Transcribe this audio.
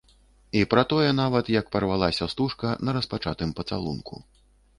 І пра тое нават, як парвалася стужка на распачатым пацалунку.